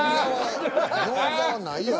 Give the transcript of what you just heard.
餃子はないやろ。